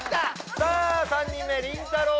さあ３人目りんたろー。